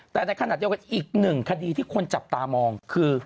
แต่ในขณะเดียวกันอีกหนึ่งคดีที่คนจับตามองคือ